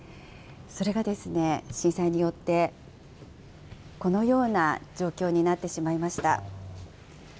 それが震災によって、このような状況になってしまいました。